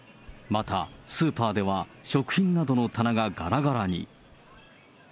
またスーパーでは、食品などの棚ががらがらに。